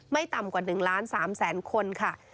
ไม่ต่ำกว่า๑๓๐๐๐๐๐คนค่ะ